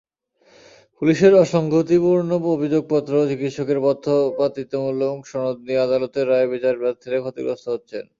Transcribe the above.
পুলিশের অসংগতিপূর্ণ অভিযোগপত্র, চিকিৎসকের পক্ষপাতিত্বমূলক সনদ নিয়ে আদালতের রায়ে বিচারপ্রার্থীরা ক্ষতিগ্রস্ত হচ্ছেন।